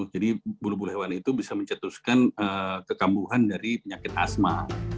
jadi bulu bulu hewan itu bisa mencetuskan kekambuhan dari penyakit asma